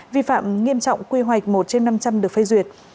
vi phạm nghiêm trọng quy hoạch một trên năm trăm linh được phê duyệt